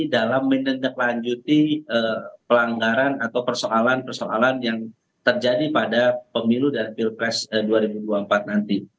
dalam menendaklanjuti pelanggaran atau persoalan persoalan yang terjadi pada pemilu dan pilpres dua ribu dua puluh empat nanti